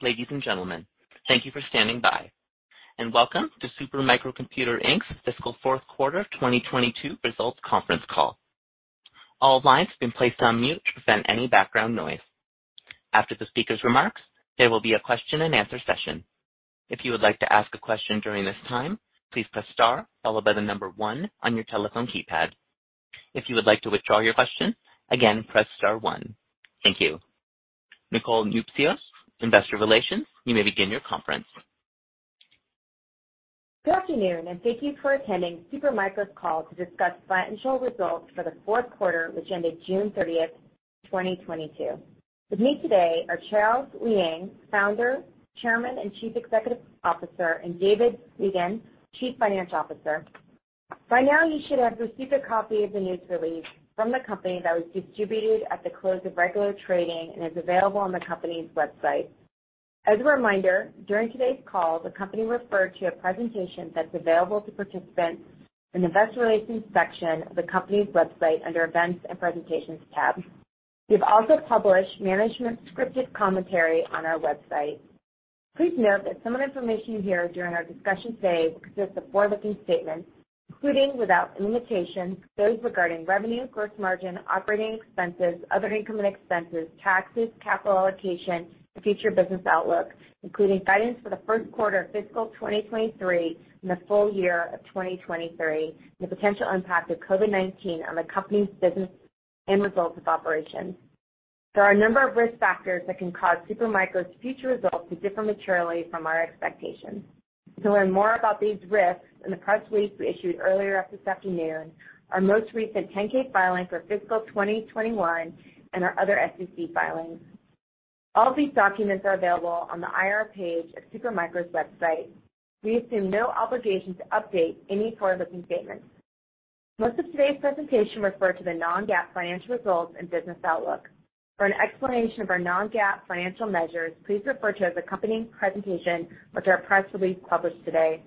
Ladies and gentlemen, thank you for standing by, and welcome to Super Micro Computer, Inc.'s fiscal fourth quarter 2022 results conference call. All lines have been placed on mute to prevent any background noise. After the speaker's remarks, there will be a question-and-answer session. If you would like to ask a question during this time, please press star followed by the number one on your telephone keypad. If you would like to withdraw your question, again, press star one. Thank you. Nicole Noutsios, Investor Relations, you may begin your conference. Good afternoon, and thank you for attending Super Micro's call to discuss financial results for the fourth quarter, which ended June 30, 2022. With me today are Charles Liang, Founder, Chairman, and Chief Executive Officer, and David Weigand, Chief Financial Officer. By now, you should have received a copy of the news release from the company that was distributed at the close of regular trading and is available on the company's website. As a reminder, during today's call, the company referred to a presentation that's available to participants in the investor relations section of the company's website under Events and Presentations tab. We've also published management scripted commentary on our website. Please note that some of the information you hear during our discussion today will consist of forward-looking statements, including without limitation, those regarding revenue, gross margin, operating expenses, other income expenses, taxes, capital allocation, and future business outlook, including guidance for the first quarter of fiscal 2023 and the full year of 2023, and the potential impact of COVID-19 on the company's business and results of operations. There are a number of risk factors that can cause Super Micro's future results to differ materially from our expectations. To learn more about these risks, in the press release we issued earlier this afternoon, our most recent 10-K filing for fiscal 2021, and our other SEC filings. All these documents are available on the IR page of Super Micro's website. We assume no obligation to update any forward-looking statements. Most of today's presentation refers to the non-GAAP financial results and business outlook. For an explanation of our non-GAAP financial measures, please refer to the accompanying presentation with our press release published today.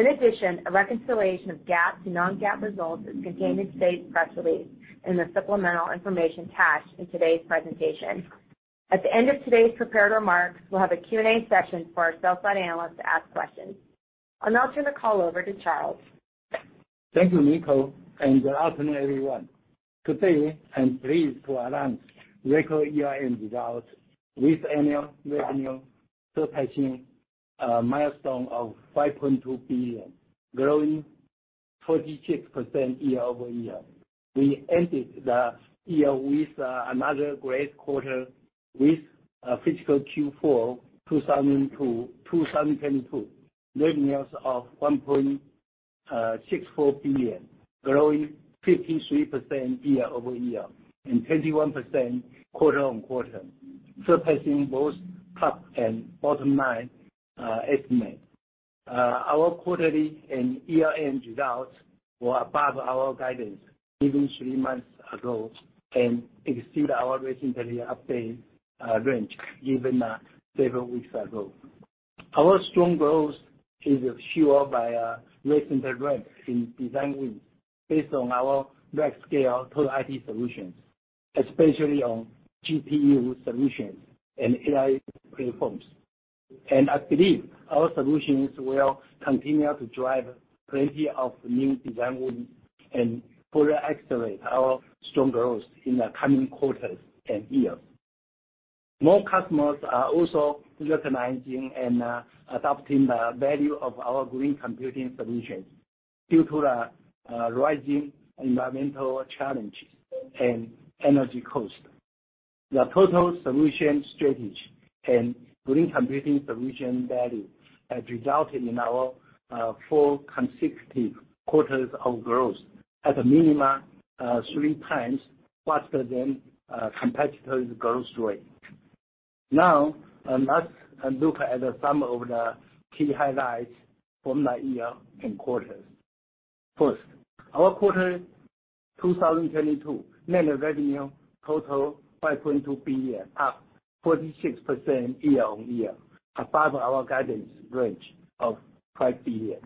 In addition, a reconciliation of GAAP to non-GAAP results is contained in today's press release in the supplemental information attached in today's presentation. At the end of today's prepared remarks, we'll have a Q&A session for our sell-side analysts to ask questions. I'll now turn the call over to Charles. Thank you, Nicole, and good afternoon, everyone. Today, I'm pleased to announce record year-end results with annual revenue surpassing a milestone of $5.2 billion, growing 46% year-over-year. We ended the year with another great quarter with a fiscal Q4 2022. Revenues of $1.64 billion, growing 53% year-over-year and 21% quarter-on-quarter, surpassing both top- and bottom-line estimate. Our quarterly and year-end results were above our guidance given three months ago and exceed our recently updated range given several weeks ago. Our strong growth is fueled by a recent ramp in design wins based on our large-scale total IT solutions, especially on GPU solutions and AI platforms. I believe our solutions will continue to drive plenty of new design wins and further accelerate our strong growth in the coming quarters and years. More customers are also recognizing and adopting the value of our green computing solutions due to the rising environmental challenges and energy costs. The total solution strategy and green computing solution value has resulted in our four consecutive quarters of growth at a minimum three times faster than competitors' growth rate. Now, let's look at some of the key highlights from the year and quarters. First, our Q2 2022 net revenue totaled $5.2 billion, up 46% year-over-year above our guidance range of $5 billion.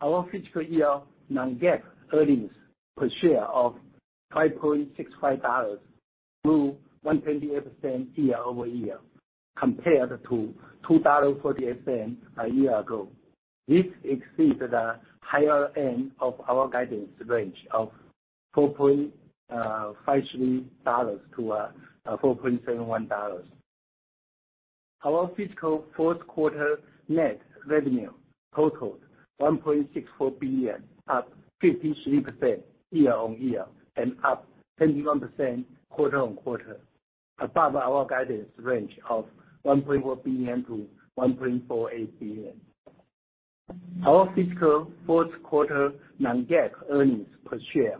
Our fiscal year non-GAAP earnings per share of $5.65 grew 128% year-over-year compared to $2.48 a year ago. This exceeds the higher end of our guidance range of $4.53-$4.71. Our fiscal fourth quarter net revenue totaled $1.64 billion, up 53% year-over-year and up 21% quarter-over-quarter above our guidance range of $1.1 billion-$1.48 billion. Our fiscal fourth quarter non-GAAP earnings per share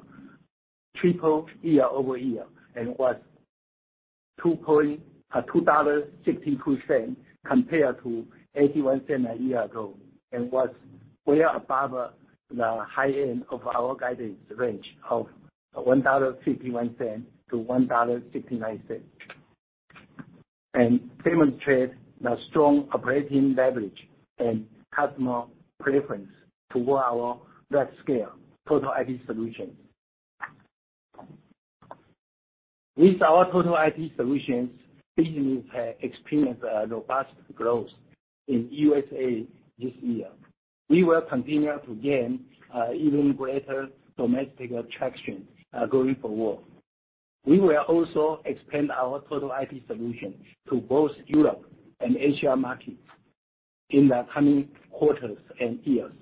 tripled year-over-year and was $2.62 compared to $0.81 a year ago and was way above the high end of our guidance range of $1.51-$1.59. Demonstrate the strong operating leverage and customer preference toward our large-scale total IT solutions. With our total IT solutions, business has experienced a robust growth in USA this year. We will continue to gain even greater domestic attraction going forward. We will also expand our total IT solution to both Europe and Asia markets in the coming quarters and years.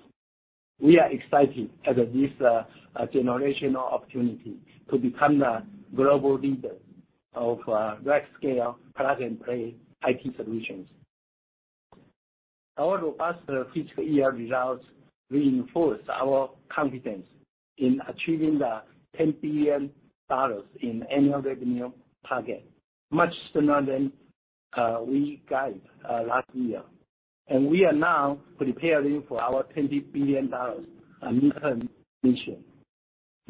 We are excited at this generational opportunity to become the global leader of large-scale plug-and-play IT solutions. Our robust fiscal year results reinforce our confidence in achieving the $10 billion in annual revenue target much sooner than we guided last year. We are now preparing for our $20 billion midterm mission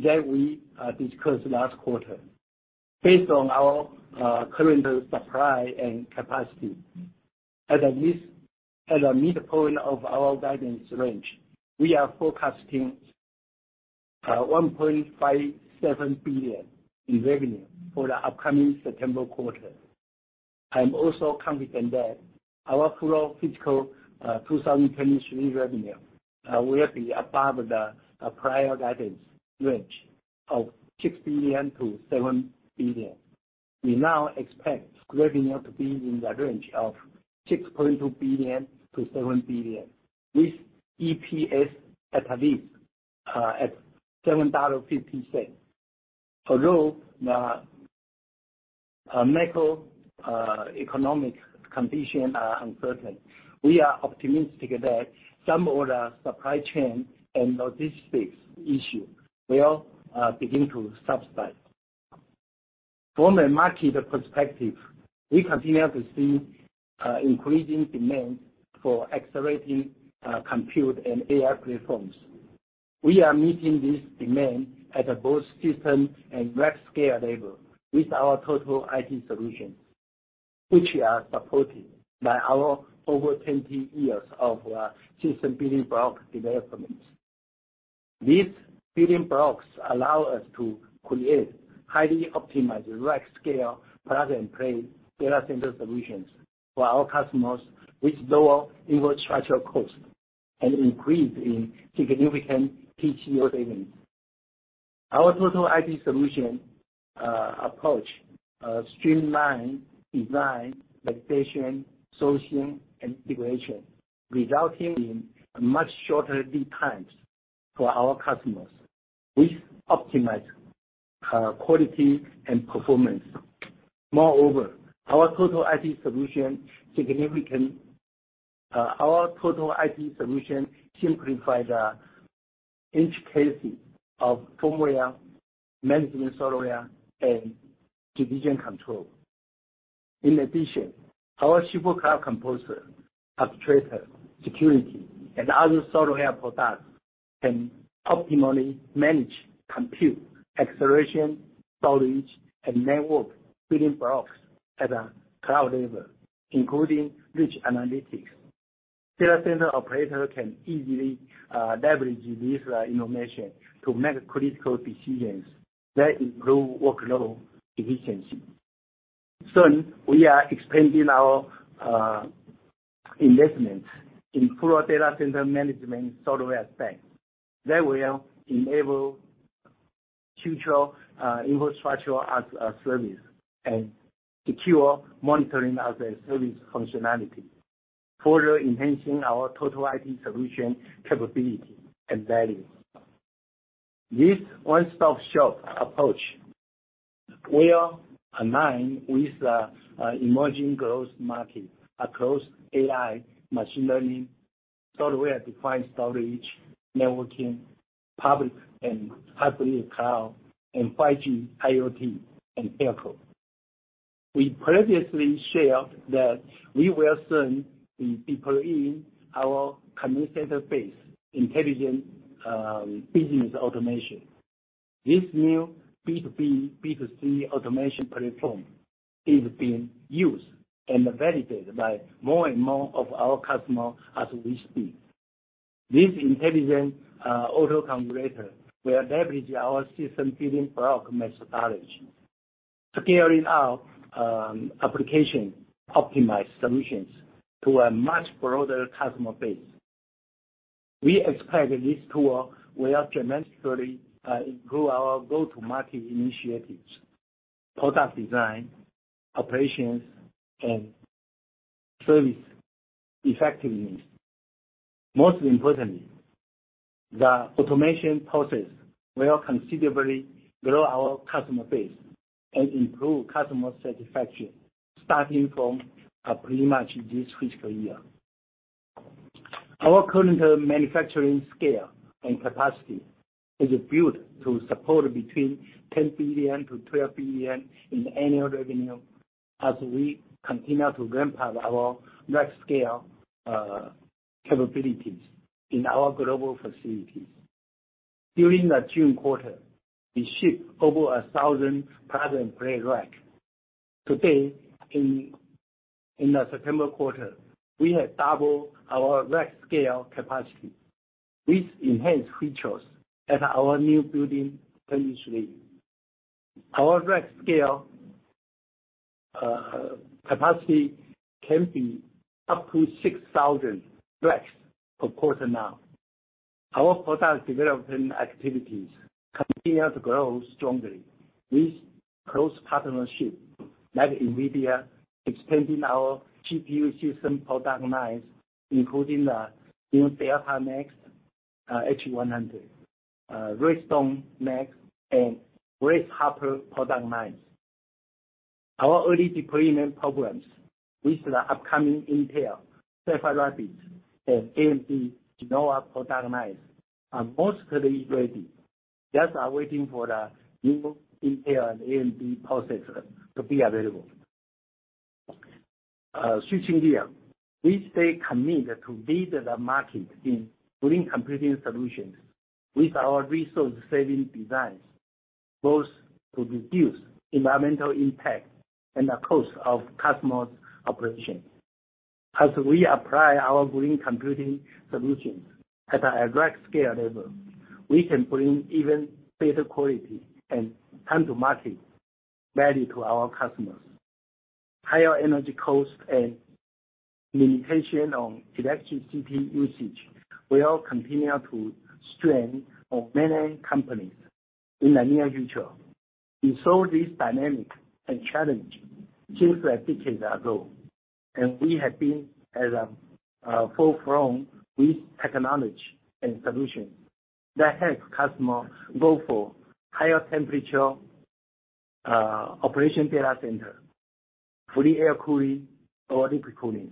that we discussed last quarter. Based on our current supply and capacity at a midpoint of our guidance range, we are forecasting $1.57 billion in revenue for the upcoming September quarter. I'm also confident that our full fiscal 2023 revenue will be above the prior guidance range of $6 billion-$7 billion. We now expect revenue to be in the range of $6.2 billion-$7 billion, with EPS at least at $7.50. Although the macroeconomic conditions are uncertain, we are optimistic that some of the supply chain and logistics issue will begin to subside. From a market perspective, we continue to see increasing demand for accelerating compute and AI platforms. We are meeting this demand at both the system and large scale level with our total IT solutions, which are supported by our over 20 years of system building block developments. These building blocks allow us to create highly optimized large scale plug-and-play data center solutions for our customers with lower infrastructure costs and increase in significant TCO savings. Our total IT solution approach streamline design, validation, sourcing, and integration, resulting in much shorter lead times for our customers, which optimize quality and performance. Moreover, our total IT solution simplify the intricacies of firmware, management software, and version control. In addition, our SuperCloud Composer, Orchestrator, Security, and other software products can optimally manage compute, acceleration, storage, and network building blocks at a cloud level, including rich analytics. Data center operator can easily leverage this information to make critical decisions that improve workload efficiency. Soon, we are expanding our investments in full data center management software space that will enable future infrastructure as a service and secure monitoring-as-a-service functionality, further enhancing our total IT solution capability and value. This one-stop-shop approach will align with the emerging growth market across AI, machine learning, software-defined storage, networking, public and hybrid cloud, and 5G, IoT, and telco. We previously shared that we will soon be deploying our communication-based intelligent business automation. This new B2B, B2C automation platform is being used and validated by more and more of our customers as we speak. This intelligent auto configurator will leverage our system building block methodology, scaling out application optimized solutions to a much broader customer base. We expect this tool will dramatically improve our go-to-market initiatives, product design, operations, and service effectiveness. Most importantly, the automation process will considerably grow our customer base and improve customer satisfaction, starting from pretty much this fiscal year. Our current manufacturing scale and capacity is built to support between $10 billion-$12 billion in annual revenue as we continue to ramp up our large scale capabilities in our global facilities. During the June quarter, we shipped over 1,000 plug and play rack. To date, in the September quarter, we have doubled our rack scale capacity with enhanced features at our new building in Chile. Our rack scale capacity can be up to 6,000 racks per quarter now. Our product development activities continue to grow strongly with close partnership like NVIDIA, expanding our GPU system product lines, including the new Delta Next H100 Redstone Next and Red Hopper product lines. Our early deployment programs with the upcoming Intel Sapphire Rapids and AMD Genoa product lines are mostly ready, just are waiting for the new Intel and AMD processor to be available. Switching gear, we stay committed to lead the market in green computing solutions with our resource-saving designs, both to reduce environmental impact and the cost of customers' operations. As we apply our green computing solutions at a rack scale level, we can bring even better quality and time to market value to our customers. Higher energy costs and limitation on electricity usage will continue to strain on many companies in the near future. We saw this dynamic and challenge since a decade ago, and we have been at the forefront with technology and solutions that help customers go for higher temperature operation data center, fully air cooling or liquid cooling.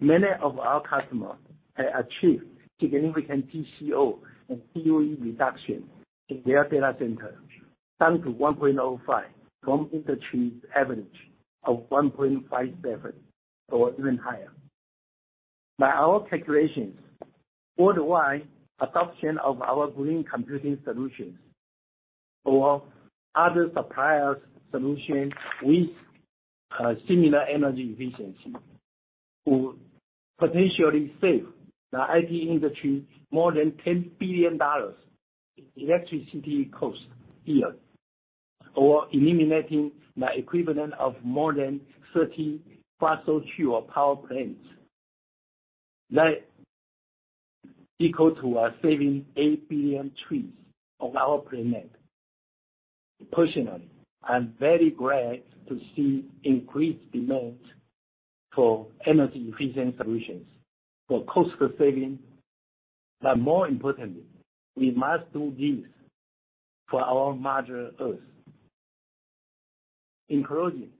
Many of our customers have achieved significant TCO and PUE reduction in their data centers, down to 1.05 from industry's average of 1.57 or even higher. By our calculations, worldwide adoption of our green computing solutions or other suppliers' solutions with similar energy efficiency could potentially save the IT industry more than $10 billion in electricity costs a year or eliminating the equivalent of more than 30 fossil fuel power plants that equal to saving 8 billion trees on our planet. Personally, I'm very glad to see increased demand for energy efficient solutions for cost saving. More importantly, we must do this for our Mother Earth. In closing,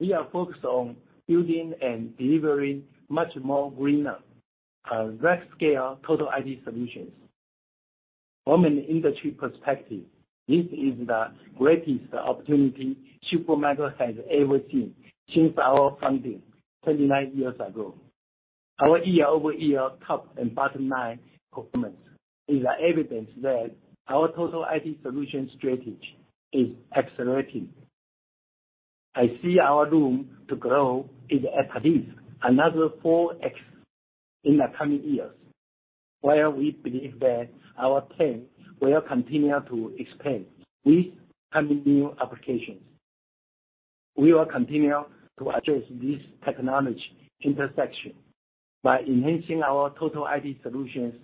we are focused on building and delivering much more greener rack scale total IT solutions. From an industry perspective, this is the greatest opportunity Super Micro has ever seen since our founding 29 years ago. Our year-over-year top and bottom line performance is an evidence that our total IT solution strategy is accelerating. I see our room to grow is at least another 4x in the coming years, where we believe that our TAM will continue to expand with coming new applications. We will continue to address this technology intersection by enhancing our total IT solutions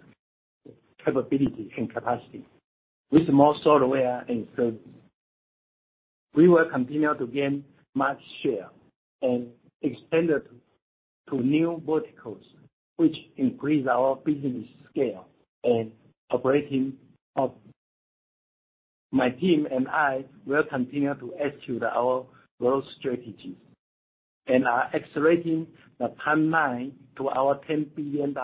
capability and capacity with more software and services. We will continue to gain market share and expand it to new verticals, which increase our business scale and operating up. My team and I will continue to execute our growth strategies and are accelerating the timeline to our $10 billion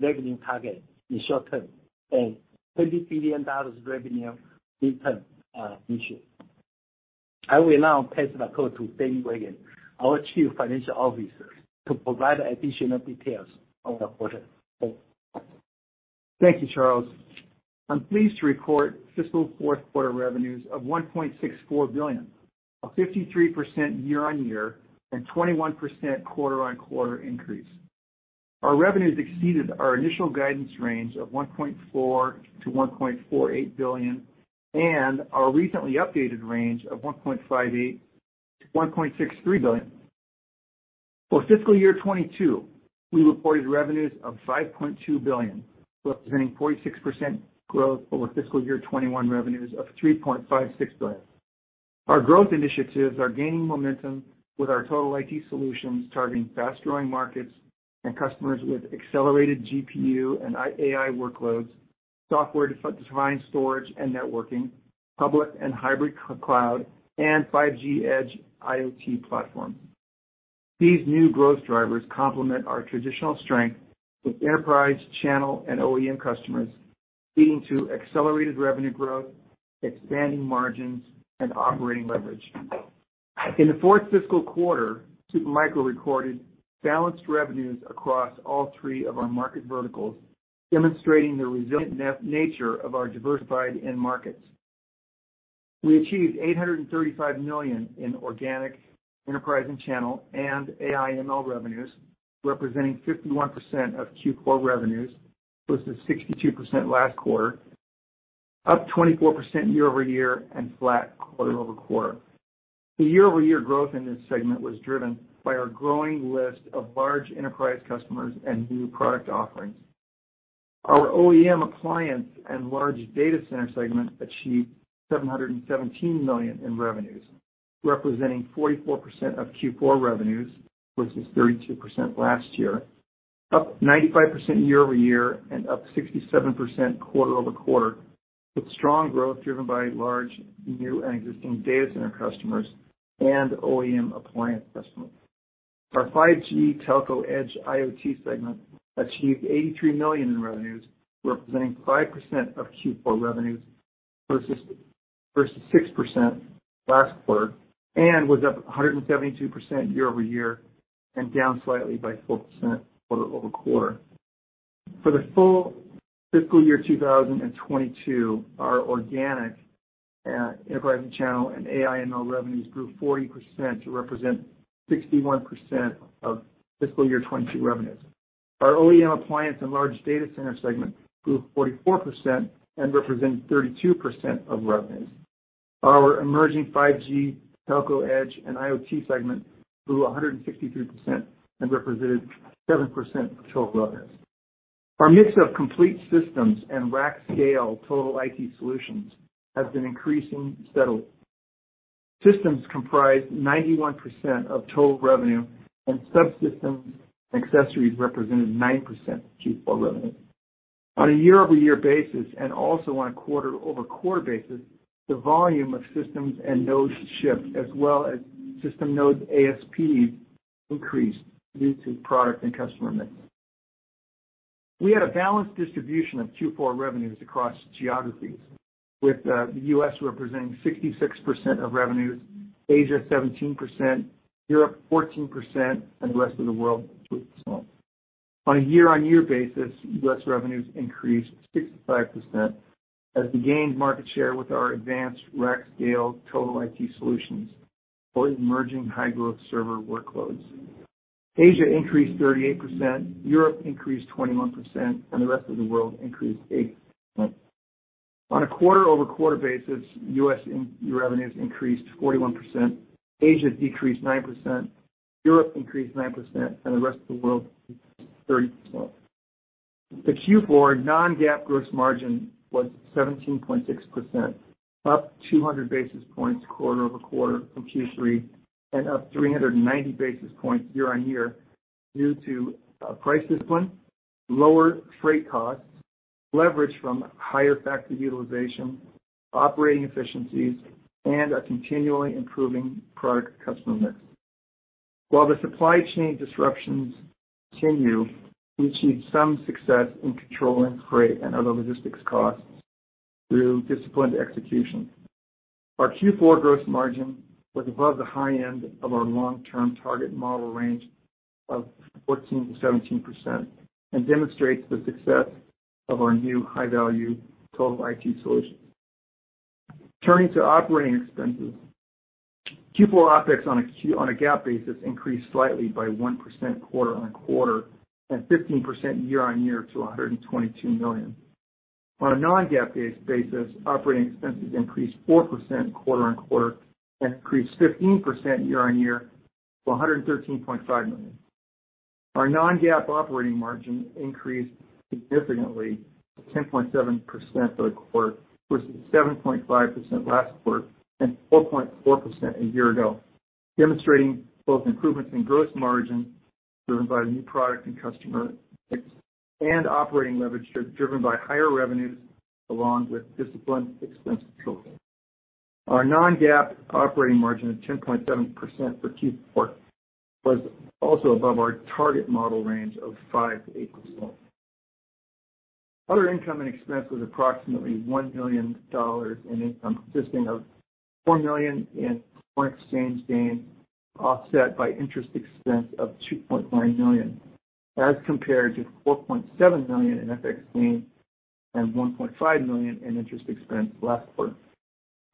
revenue target in short term and $20 billion revenue midterm issue. I will now pass the call to David Weigand, our Chief Financial Officer, to provide additional details on the quarter. Over to you. Thank you, Charles. I'm pleased to report fiscal fourth quarter revenues of $1.64 billion, a 53% year-on-year, and 21% quarter-on-quarter increase. Our revenues exceeded our initial guidance range of $1.4 billion-$1.48 billion and our recently updated range of $1.58 billion-$1.63 billion. For fiscal year 2022, we reported revenues of $5.2 billion, representing 46% growth over fiscal year 2021 revenues of $3.56 billion. Our growth initiatives are gaining momentum with our total IT solutions targeting fast-growing markets and customers with accelerated GPU and AI workloads, software-defined storage and networking, public and hybrid cloud, and 5G Edge IoT platforms. These new growth drivers complement our traditional strength with enterprise, channel, and OEM customers, leading to accelerated revenue growth, expanding margins, and operating leverage. In the fourth fiscal quarter, Super Micro recorded balanced revenues across all three of our market verticals, demonstrating the resilient nature of our diversified end markets. We achieved $835 million in organic enterprise and channel and AI/ML revenues, representing 51% of Q4 revenues versus 62% last quarter, up 24% year-over-year and flat quarter-over-quarter. The year-over-year growth in this segment was driven by our growing list of large enterprise customers and new product offerings. Our OEM appliance and large data center segment achieved $717 million in revenues, representing 44% of Q4 revenues versus 32% last year. Up 95% year-over-year and up 67% quarter-over-quarter, with strong growth driven by large new and existing data center customers and OEM appliance customers. Our 5G Telco Edge IoT segment achieved $83 million in revenues, representing 5% of Q4 revenues versus 6% last quarter, and was up 172% year-over-year and down slightly by 4% quarter-over-quarter. For the full fiscal year 2022, our organic, enterprise and channel and AI/ML revenues grew 40% to represent 61% of fiscal year 2022 revenues. Our OEM appliance and large data center segment grew 44% and represented 32% of revenues. Our emerging 5G Telco Edge and IoT segment grew 163% and represented 7% of total revenues. Our mix of complete systems and rack scale total IT solutions has been increasing steadily. Systems comprised 91% of total revenue and subsystems and accessories represented 9% of Q4 revenue. On a year-over-year basis, and also on a quarter-over-quarter basis, the volume of systems and nodes shipped, as well as system node ASPs increased due to product and customer mix. We had a balanced distribution of Q4 revenues across geographies, with the U.S. representing 66% of revenues, Asia 17%, Europe 14%, and the rest of the world 12%. On a year-over-year basis, U.S. revenues increased 65% as we gained market share with our advanced rack scale total IT solutions for emerging high growth server workloads. Asia increased 38%, Europe increased 21%, and the rest of the world increased 8%. On a quarter-over-quarter basis, U.S. revenues increased 41%, Asia decreased 9%, Europe increased 9%, and the rest of the world 30%. The Q4 non-GAAP gross margin was 17.6%, up 200 basis points quarter-over-quarter from Q3 and up 390 basis points year-over-year due to price discipline, lower freight costs, leverage from higher factory utilization, operating efficiencies, and a continually improving product customer mix. While the supply chain disruptions continue, we achieved some success in controlling freight and other logistics costs through disciplined execution. Our Q4 gross margin was above the high end of our long-term target model range of 14%-17% and demonstrates the success of our new high value total IT solutions. Turning to operating expenses. Q4 OpEx on a GAAP basis increased slightly by 1% quarter-over-quarter and 15% year-over-year to $122 million. On a non-GAAP basis, operating expenses increased 4% quarter on quarter and increased 15% year on year to $113.5 million. Our non-GAAP operating margin increased significantly to 10.7% for the quarter versus 7.5% last quarter and 4.4% a year ago, demonstrating both improvements in gross margin driven by new product and customer mix and operating leverage driven by higher revenues along with disciplined expense control. Our non-GAAP operating margin of 10.7% for Q4 was also above our target model range of 5%-8%. Other income and expense was approximately $1 million in income, consisting of $4 million in foreign exchange gain, offset by interest expense of $2.9 million, as compared to $4.7 million in FX gain and $1.5 million in interest expense last quarter.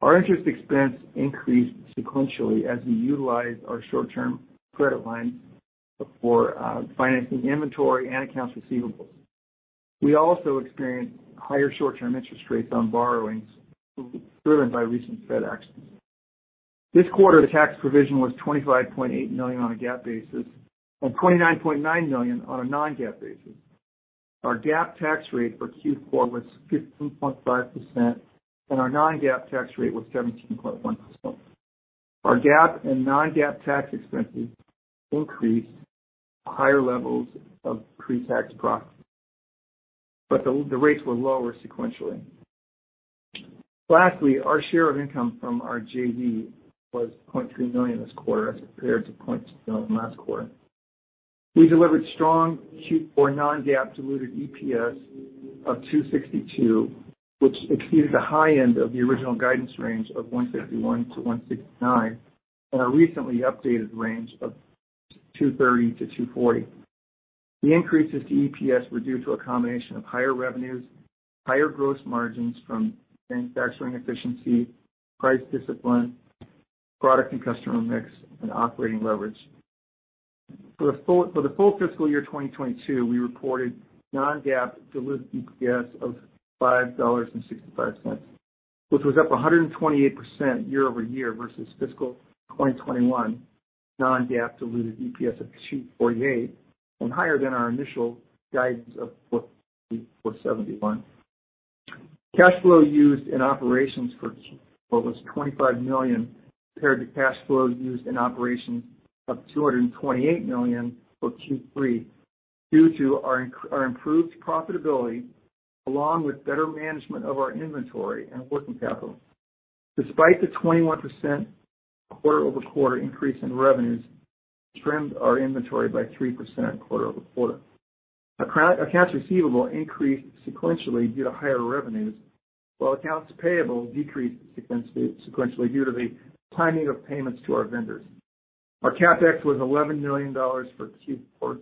Our interest expense increased sequentially as we utilized our short-term credit line for financing inventory and accounts receivables. We also experienced higher short-term interest rates on borrowings driven by recent Fed actions. This quarter, the tax provision was $25.8 million on a GAAP basis and $29.9 million on a non-GAAP basis. Our GAAP tax rate for Q4 was 15.5%, and our non-GAAP tax rate was 17.1%. Our GAAP and non-GAAP tax expenses increased due to higher levels of pre-tax profit, but the rates were lower sequentially. Lastly, our share of income from our JV was $0.3 million this quarter as compared to $0.2 million last quarter. We delivered strong Q4 non-GAAP diluted EPS of $2.62, which exceeded the high end of the original guidance range of $1.51-$1.69, and our recently updated range of $2.30-$2.40. The increases to EPS were due to a combination of higher revenues, higher gross margins from manufacturing efficiency, price discipline, product and customer mix, and operating leverage. For the full fiscal year 2022, we reported non-GAAP diluted EPS of $5.65, which was up 128% year-over-year versus fiscal 2021 non-GAAP diluted EPS of $2.48, and higher than our initial guidance of $4.71. Cash flow used in operations for Q4 was $25 million, compared to cash flow used in operations of $228 million for Q3 due to our improved profitability, along with better management of our inventory and working capital. Despite the 21% quarter-over-quarter increase in revenues, trimmed our inventory by 3% quarter-over-quarter. Accounts receivable increased sequentially due to higher revenues, while accounts payable decreased sequentially due to the timing of payments to our vendors. Our CapEx was $11 million for Q4,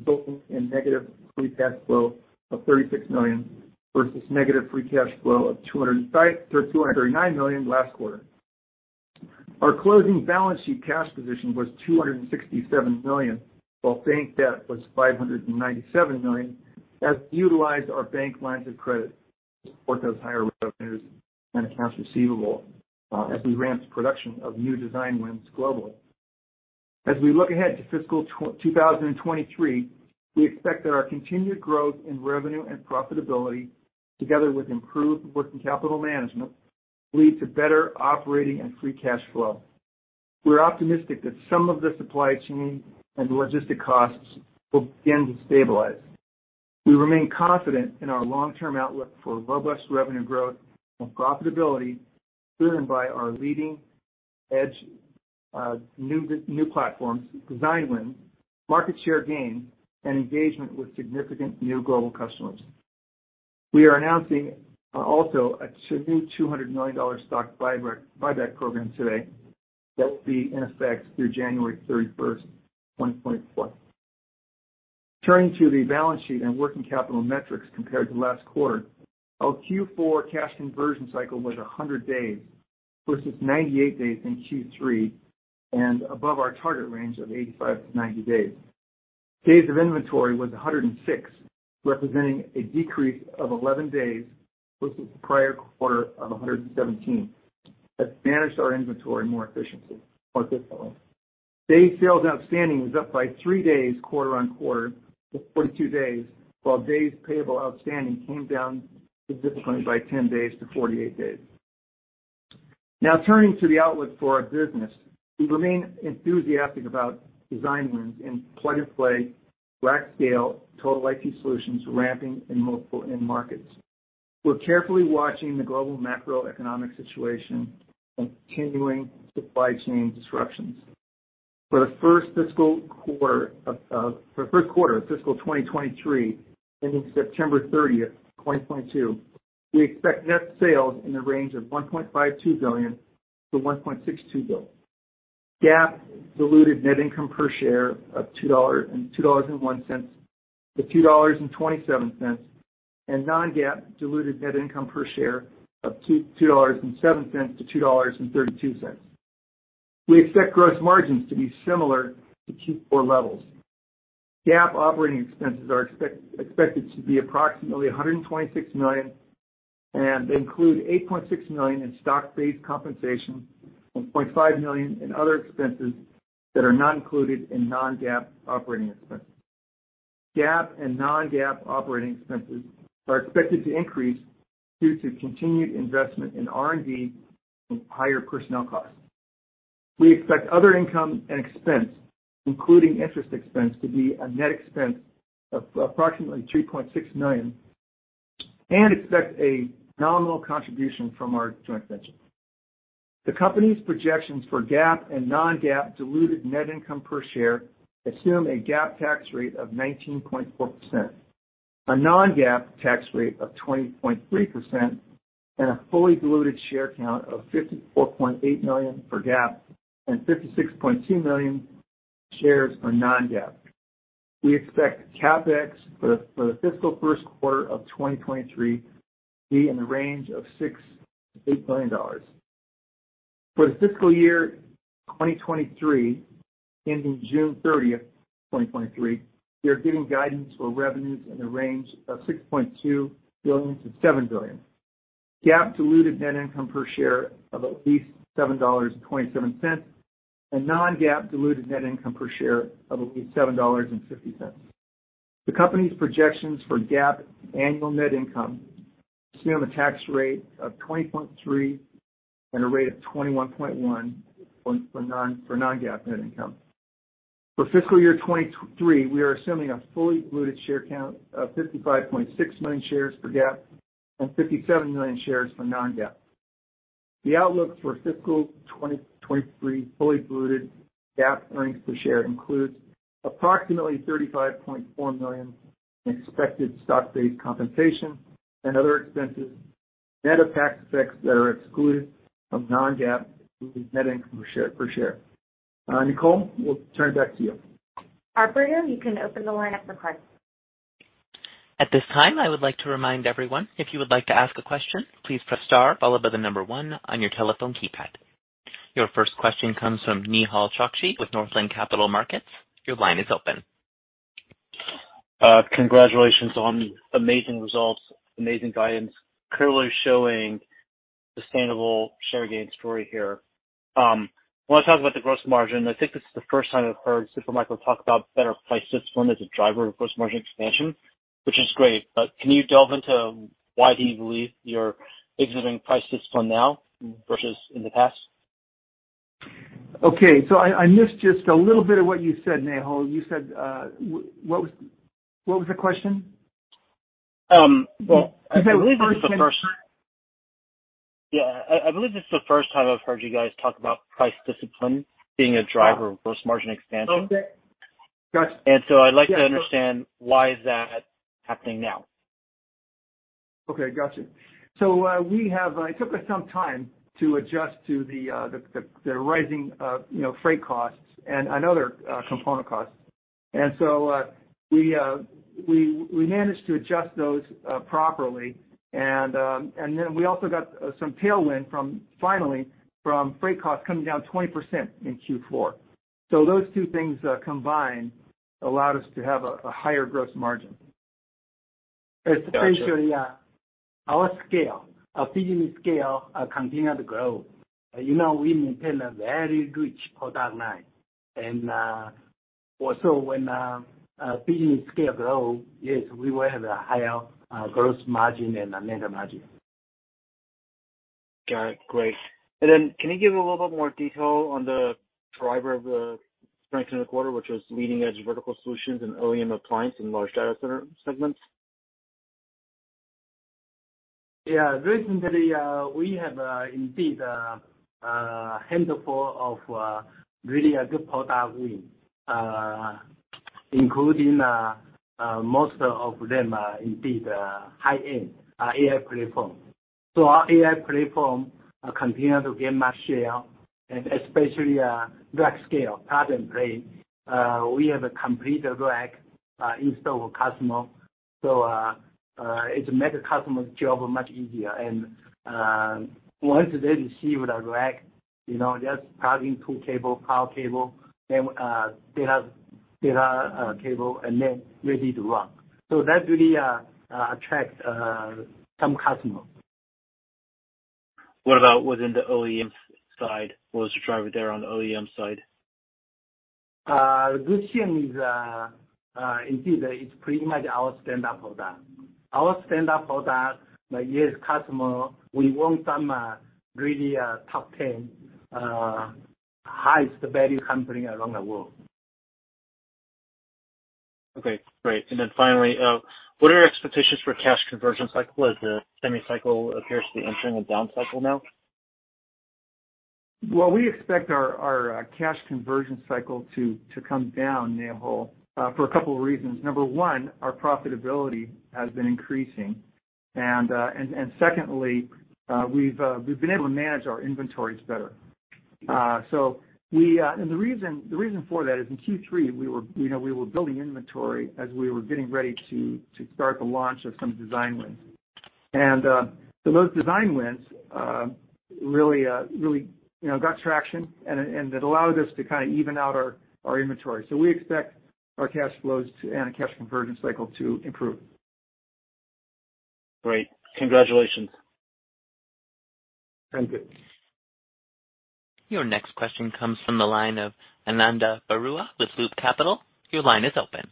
resulting in negative free cash flow of $36 million versus negative free cash flow of $205 million-$239 million last quarter. Our closing balance sheet cash position was $267 million, while bank debt was $597 million as we utilized our bank lines of credit to support those higher revenues and accounts receivable, as we ramped production of new design wins globally. As we look ahead to fiscal 2023, we expect that our continued growth in revenue and profitability, together with improved working capital management, will lead to better operating and free cash flow. We're optimistic that some of the supply chain and logistics costs will begin to stabilize. We remain confident in our long-term outlook for robust revenue growth and profitability, driven by our leading-edge, new platforms, design wins, market share gain, and engagement with significant new global customers. We are announcing also a new $200 million stock buyback program today that will be in effect through January 31, 2024. Turning to the balance sheet and working capital metrics compared to last quarter. Our Q4 cash conversion cycle was 100 days versus 98 days in Q3 and above our target range of 85-90 days. Days of inventory was 106, representing a decrease of 11 days versus the prior quarter of 117 as we managed our inventory more efficiently mark-to-goal. Day sales outstanding was up by three days quarter-over-quarter to 42 days, while days payable outstanding came down significantly by 10 days to 48 days. Now turning to the outlook for our business. We remain enthusiastic about design wins in plug and play rack scale total IT solutions ramping in multiple end markets. We're carefully watching the global macroeconomic situation and continuing supply chain disruptions. For the first fiscal quarter of fiscal 2023, ending September 30, 2022, we expect net sales in the range of $1.52 billion-$1.62 billion. GAAP diluted net income per share of $2.01-$2.27, and non-GAAP diluted net income per share of $2.07-$2.32. We expect gross margins to be similar to Q4 levels. GAAP operating expenses are expected to be approximately $126 million, and they include $8.6 million in stock-based compensation and $0.5 million in other expenses that are not included in non-GAAP operating expenses. GAAP and non-GAAP operating expenses are expected to increase due to continued investment in R&D and higher personnel costs. We expect other income and expense, including interest expense, to be a net expense of approximately $3.6 million, and expect a nominal contribution from our joint venture. The company's projections for GAAP and non-GAAP diluted net income per share assume a GAAP tax rate of 19.4%, a non-GAAP tax rate of 20.3%, and a fully diluted share count of 54.8 million for GAAP and 56.2 million shares for non-GAAP. We expect CapEx for the fiscal first quarter of 2023 to be in the range of $6million-$8 million. For the fiscal year 2023, ending June 30, 2023, we are giving guidance for revenues in the range of $6.2 billion-$7 billion. GAAP diluted net income per share of at least $7.27, and non-GAAP diluted net income per share of at least $7.50. The company's projections for GAAP annual net income assume a tax rate of 20.3% and a rate of 21.1% for non-GAAP net income. For fiscal year 2023, we are assuming a fully diluted share count of 55.6 million shares for GAAP and 57 million shares for non-GAAP. The outlook for fiscal 2023 fully diluted GAAP earnings per share includes approximately $35.4 million in expected stock-based compensation and other expenses. Net of tax effects that are excluded from non-GAAP net income per share, per share. Nicole, we'll turn it back to you. Operator, you can open the line up for questions. At this time, I would like to remind everyone, if you would like to ask a question, please press star followed by the number one on your telephone keypad. Your first question comes from Nehal Chokshi with Northland Capital Markets. Your line is open. Congratulations on the amazing results, amazing guidance. Clearly showing sustainable share gain story here. Want to talk about the gross margin. I think this is the first time I've heard Super Micro talk about better price discipline as a driver of gross margin expansion, which is great. Can you delve into why do you believe you're exercising price discipline now versus in the past? Okay. I missed just a little bit of what you said, Nehal. What was the question? Well, I believe this is the first time. Because I believe it's the first time. Yeah. I believe this is the first time I've heard you guys talk about price discipline being a driver of gross margin expansion. Okay. Got you. I'd like to understand why is that happening now. Okay. Got you. It took us some time to adjust to the rising, you know, freight costs and another component costs. We managed to adjust those properly. We also got some tailwind finally from freight costs coming down 20% in Q4. Those two things combined allowed us to have a higher gross margin. Got you. Especially, our scale, our business scale, continued to grow. You know, we maintain a very rich product line. Also, when business scale grow, yes, we will have a higher gross margin and a net margin. Got it. Great. Can you give a little bit more detail on the driver of the strength in the quarter, which was leading-edge vertical solutions and OEM appliance in large data center segments? Yeah. Recently, we have indeed a handful of really a good product win, including most of them are indeed high-end AI platform. Our AI platform continue to gain market share, and especially rack scale plug and play. We have a complete rack installed with customer. It make the customer's job much easier. Once they receive the rack, you know, just plug in two cable, power cable, then data cable, and then ready to run. That really attract some customer. What about within the OEM side? What was the driver there on the OEM side? Indeed, it's pretty much our standard product. Like, yes, customer, we want some really top 10 highest value company around the world. Okay. Great. Finally, what are your expectations for cash conversion cycle as the semi cycle appears to be entering a down cycle now? Well, we expect our cash conversion cycle to come down, Nehal, for a couple of reasons. Number one, our profitability has been increasing. Secondly, we've been able to manage our inventories better. The reason for that is in Q3, we were, you know, building inventory as we were getting ready to start the launch of some design wins. So those design wins really, you know, got traction and it allowed us to kind of even out our inventory. We expect our cash flows to, and our cash conversion cycle to improve. Great. Congratulations. Thank you. Your next question comes from the line of Ananda Baruah with Loop Capital. Your line is open.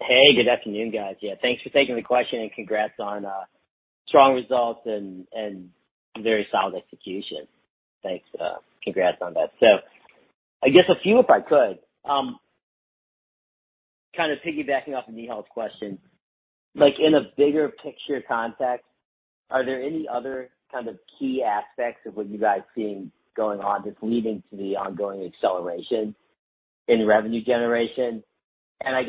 Hey, good afternoon, guys. Yeah, thanks for taking the question, and congrats on strong results and very solid execution. Thanks. Congrats on that. I guess a few, if I could. Kind of piggybacking off Nehal's question, like in a bigger picture context, are there any other kind of key aspects of what you guys seeing going on that's leading to the ongoing acceleration in revenue generation? I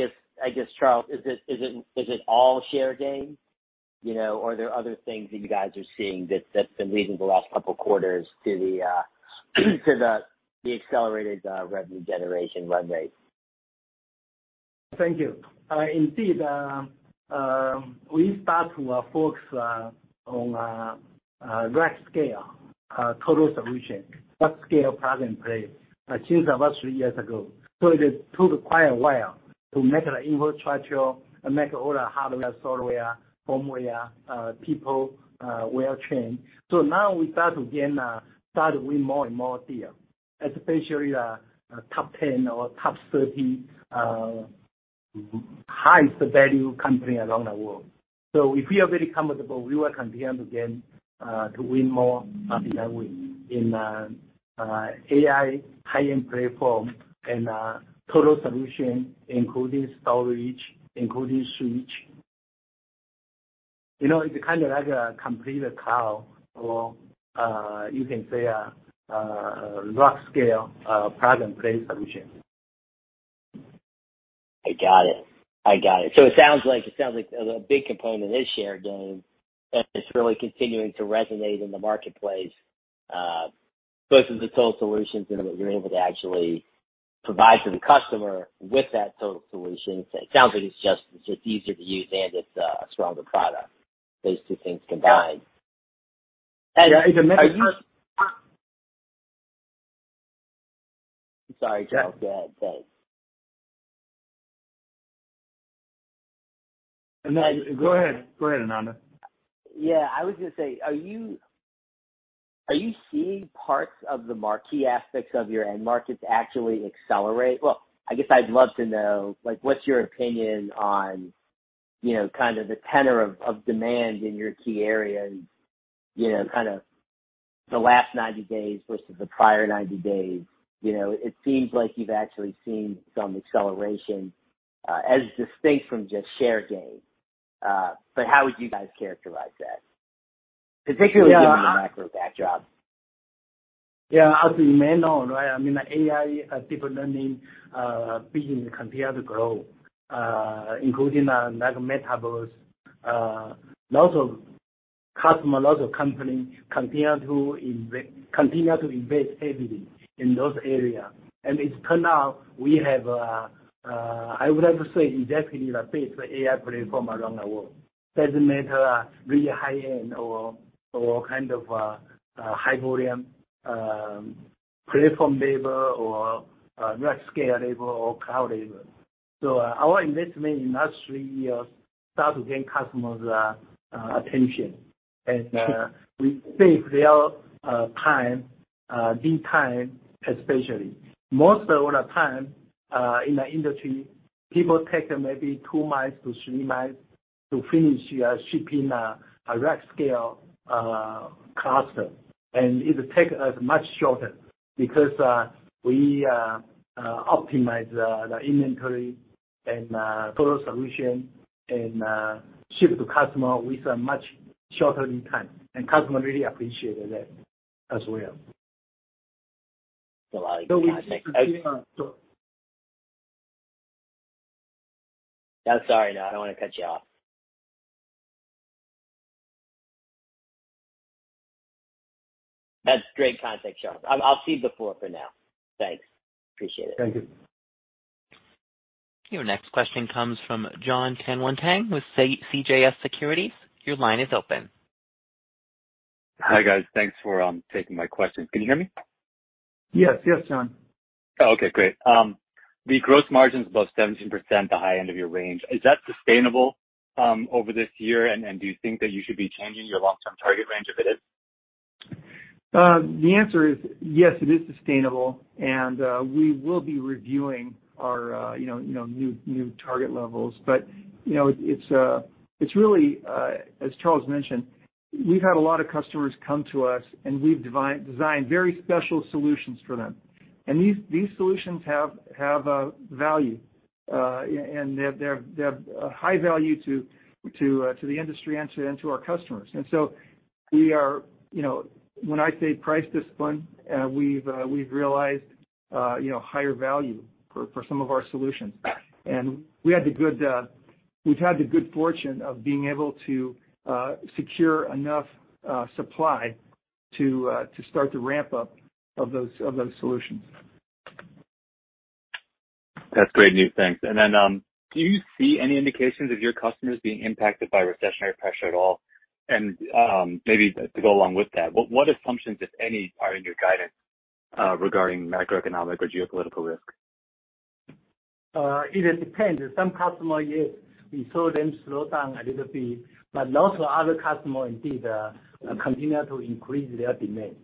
guess, Charles, is it all share gain? You know, are there other things that you guys are seeing that's been leading the last couple quarters to the accelerated revenue generation run rate? Thank you. Indeed, we start to focus on rack scale total solution, rack scale plug and play since about three years ago. It took quite a while to make the infrastructure and make all the hardware, software, firmware, people well-trained. Now we start to win more and more deals, especially top 10 or top 30 highest value companies around the world. We feel very comfortable we will continue again to win more deals in AI high-end platform and total solution, including storage, including switch. You know, it's kind of like a complete cloud or you can say a rack scale plug and play solution. I got it. It sounds like a big component is share gain, and it's really continuing to resonate in the marketplace, versus the total solutions and what you're able to actually provide to the customer with that total solution. It sounds like it's just easier to use and it's a stronger product, those two things combined. Are you- Yeah, it's a major. Sorry, Charles, go ahead, go. No, go ahead. Go ahead, Ananda. Yeah. I was gonna say, are you seeing parts of the marquee aspects of your end markets actually accelerate? Well, I guess I'd love to know, like, what's your opinion on, you know, kind of the tenor of demand in your key areas, you know, kind of the last 90 days versus the prior 90 days. You know, it seems like you've actually seen some acceleration, as distinct from just share gain. But how would you guys characterize that, particularly? Yeah, uh- Given the macro backdrop? Yeah, as you may know, right, I mean, the AI deep learning business continue to grow, including like Metaverse. Lots of customer, lots of companies continue to invest heavily in those areas. It's turned out we have, I would like to say exactly the best AI platform around the world. Doesn't matter really high end or kind of high volume platform level or large scale level or cloud level. Our investment in last three years start to gain customers' attention. We save their time, lead time, especially. Most of the time, in the industry, people take maybe 2 months-3 months to finish shipping a large scale cluster. It take us much shorter because we optimize the inventory and total solution and ship to customer with a much shorter lead time. Customer really appreciated that as well. A lot of. We just continue. Sorry. No, I don't wanna cut you off. That's great context, Charles. I'll cede the floor for now. Thanks. Appreciate it. Thank you. Your next question comes from Jonathan Tanwanteng with CJS Securities. Your line is open. Hi, guys. Thanks for taking my question. Can you hear me? Yes. Yes, John. Oh, okay. Great. The gross margins above 17%, the high end of your range, is that sustainable over this year? Do you think that you should be changing your long-term target range if it is? The answer is yes, it is sustainable, and we will be reviewing our, you know, new target levels. You know, it's really, as Charles mentioned, we've had a lot of customers come to us, and we've designed very special solutions for them. These solutions have value, and they have high value to the industry and to our customers. We are, you know. When I say price discipline, we've realized, you know, higher value for some of our solutions. We've had the good fortune of being able to secure enough supply to start the ramp-up of those solutions. That's great news. Thanks. Do you see any indications of your customers being impacted by recessionary pressure at all? Maybe to go along with that, what assumptions, if any, are in your guidance regarding macroeconomic or geopolitical risk? It depends. Some customer, yes, we saw them slow down a little bit, but lots of other customer indeed continue to increase their demand,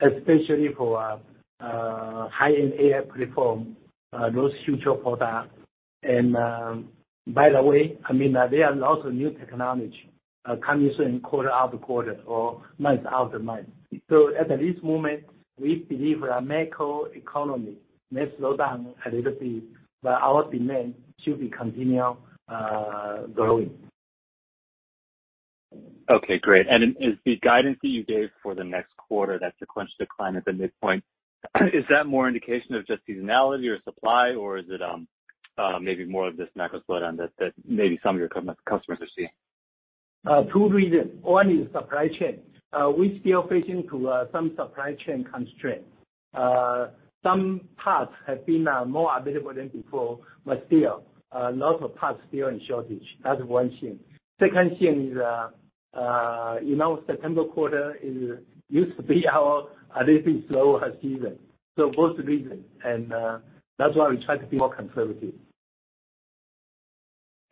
especially for high-end AI platform those future product. By the way, I mean, there are lots of new technology coming soon quarter after quarter or month after month. At this moment, we believe the macro economy may slow down a little bit, but our demand should be continue growing. Okay, great. Is the guidance that you gave for the next quarter, that sequential decline at the midpoint, is that more indication of just seasonality or supply, or is it, maybe more of this macro slowdown that maybe some of your customers are seeing? Two reasons. One is supply chain. We still facing to some supply chain constraints. Some parts have been more available than before, but still, lot of parts still in shortage. That's one thing. Second thing is, you know, September quarter is used to be our a little bit slower season. Both reasons, and that's why we try to be more conservative.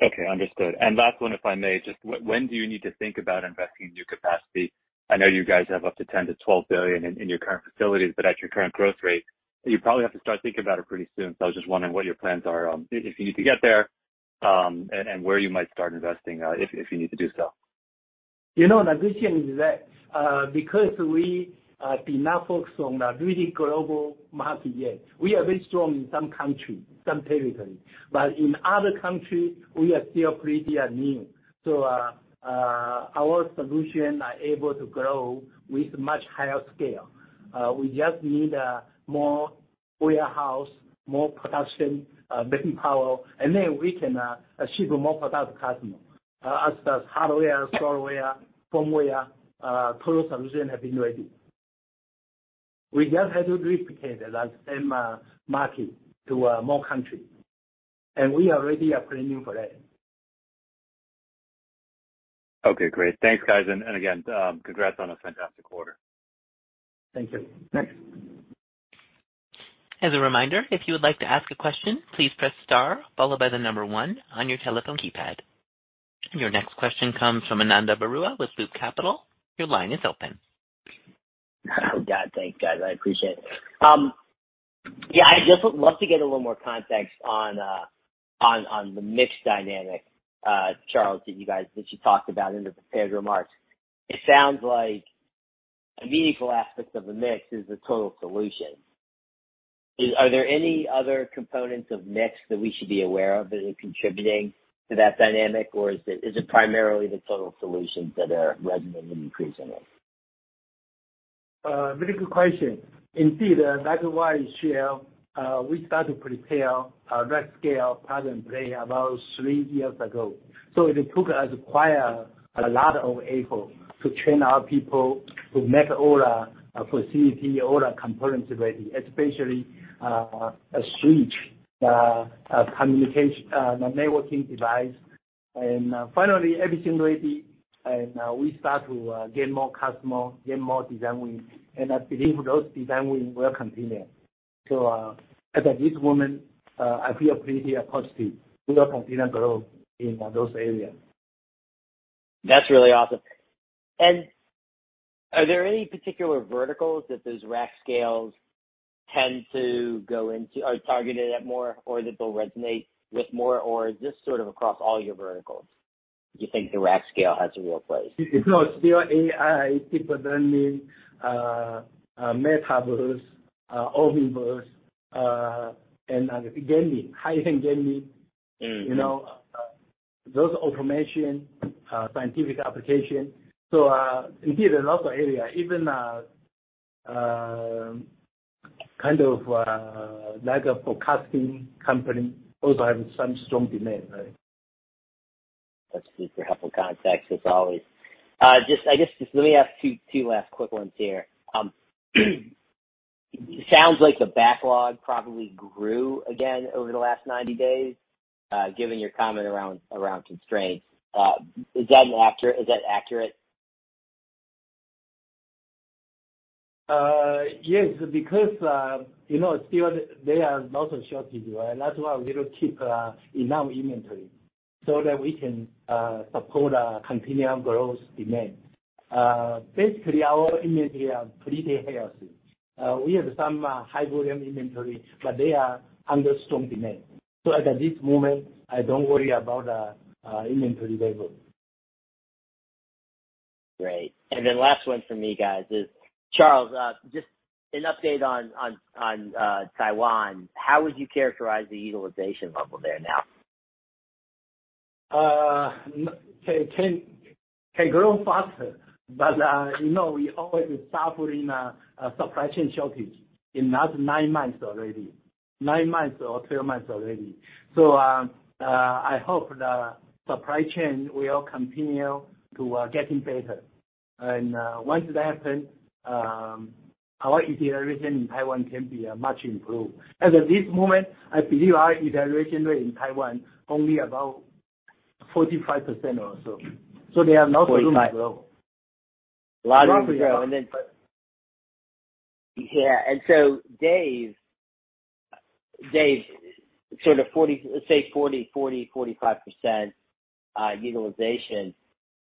Okay, understood. Last one, if I may, just when do you need to think about investing in new capacity? I know you guys have up to $10 billion-$12 billion in your current facilities, but at your current growth rate, you probably have to start thinking about it pretty soon. I was just wondering what your plans are, if you need to get there, and where you might start investing, if you need to do so. You know, the decision is that because we did not focus on the really global market yet, we are very strong in some countries, some territories. In other countries, we are still pretty unknown. Our solution are able to grow with much higher scale. We just need more warehouse, more production, making power, and then we can ship more product to customer. As the hardware, software, firmware, total solution have been ready. We just had to replicate that same market to more country. We already are planning for that. Okay, great. Thanks, guys. Again, congrats on a fantastic quarter. Thank you. Next. As a reminder, if you would like to ask a question, please press star followed by the number one on your telephone keypad. Your next question comes from Ananda Baruah with Loop Capital. Your line is open. Oh, God. Thanks, guys, I appreciate it. Yeah, I just would love to get a little more context on the mix dynamic, Charles, that you talked about in the prepared remarks. It sounds like a meaningful aspect of the mix is the total solution. Are there any other components of mix that we should be aware of that are contributing to that dynamic, or is it primarily the total solutions that are resonating and increasing it? Very good question. Indeed, that is why we start to prepare a large scale platform play about three years ago. It took us quite a lot of effort to train our people to make all our facilities, all our components ready, especially a switch, communication, networking device, and finally everything ready. We start to gain more design wins. I believe those design wins will continue. At this moment, I feel pretty positive we will continue growth in those areas. That's really awesome. Are there any particular verticals that those rack scales are targeted at more or that they'll resonate with more? Or is this sort of across all your verticals, do you think the rack scale has a real place? It's still AI, deep learning, Metaverse, Omniverse, and gaming, high-end gaming. Mm. You know, those automation, scientific application. Indeed a lot of area, even, kind of, like a forecasting company also have some strong demand. That's super helpful context as always. Just, I guess, just let me ask two last quick ones here. Sounds like the backlog probably grew again over the last 90 days, given your comment around constraints. Is that accurate? Yes, because you know, still there are lots of shortages, right? That's why we will keep enough inventory so that we can support our continued growth demand. Basically, our inventory are pretty healthy. We have some high volume inventory, but they are under strong demand. At this moment, I don't worry about inventory level. Great. Last one for me, guys, is Charles, just an update on Taiwan. How would you characterize the utilization level there now? Can grow faster, but you know, we always suffering a supply chain shortage in last nine months already. Nine months or 12 months already. I hope the supply chain will continue to getting better. Once that happens, our utilization in Taiwan can be much improved. As of this moment, I believe our utilization rate in Taiwan only about 45% or so. There are lots of room to grow. 45 Lots of room to grow. Yeah. Dave, sort of 40, say 40-45% utilization.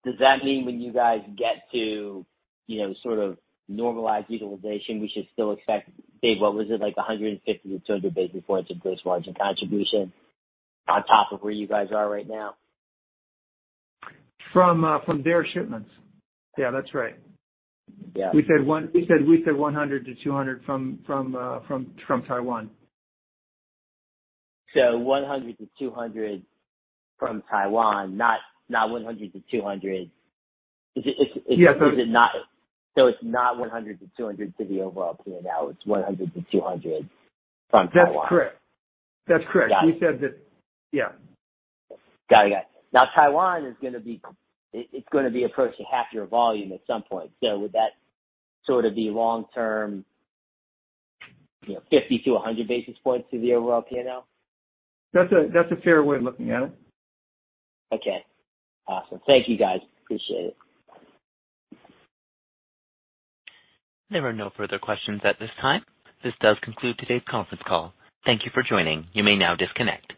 Does that mean when you guys get to, you know, sort of normalized utilization, we should still expect, Dave, what was it? Like 150-200 basis points of gross margin contribution on top of where you guys are right now? From their shipments. Yeah, that's right. Yeah. We said 100 to 200 from Taiwan. 100-200 from Taiwan, not 100-200. Is it? Yeah. It's not $100-$200 to the overall P&L. It's $100-$200 from Taiwan. That's correct. Got it. We said that. Yeah. Got it. Now, Taiwan is gonna be approaching half your volume at some point. Would that sort of be long term, you know, 50-100 basis points to the overall P&L? That's a fair way of looking at it. Okay. Awesome. Thank you, guys. Appreciate it. There are no further questions at this time. This does conclude today's conference call. Thank you for joining. You may now disconnect.